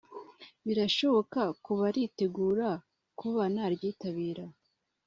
birashoboka ku baritegura kuba naryitabira